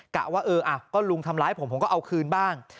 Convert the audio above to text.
กะว่าเออก็ลุงทำร้ายผมผมก็เอาคืนบ้าง